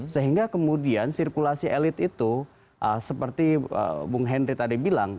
sehingga kemudian sirkulasi elit itu seperti bung henry tadi bilang